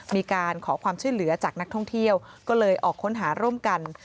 มีการขอความช่วยเหลือจากนักท่องเที่ยวก็เลยออกค้นหาร่วมกัน